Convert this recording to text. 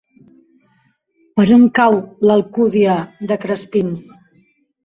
Per on cau l'Alcúdia de Crespins?